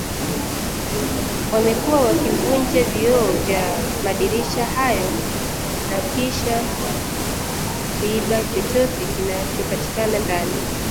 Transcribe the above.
Wamekuwa wakivunja vioo vya madirisha hayo na kisha kuiba chochote kinachopatikana ndani